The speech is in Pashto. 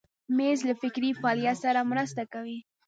مېز له فکري فعالیت سره مرسته کوي.